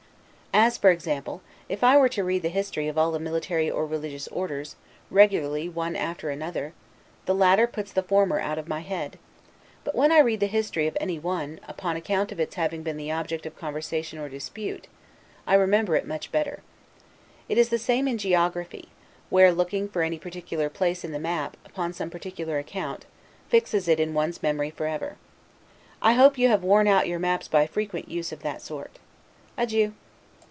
As, for example, if I were to read the history of all the military or religious orders, regularly one after another, the latter puts the former out of my head; but when I read the history of any one, upon account, of its having been the object of conversation or dispute, I remember it much better. It is the same in geography, where, looking for any particular place in the map, upon some particular account, fixes it in one's memory forever. I hope you have worn out your maps by frequent, use of that sort. Adieu.